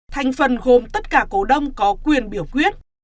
thành phần gồm tất cả cổ đông có quyền biểu quyết